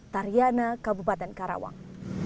tariana kabupaten karawang